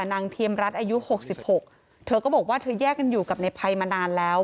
เทียมรัฐอายุ๖๖เธอก็บอกว่าเธอแยกกันอยู่กับในภัยมานานแล้ว